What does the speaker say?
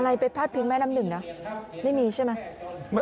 ไปพาดพิงแม่น้ำหนึ่งนะไม่มีใช่ไหม